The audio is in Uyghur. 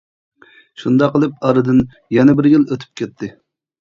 شۇنداق قىلىپ ئارىدىن يەنە بىر يىل ئۆتۈپ كەتتى.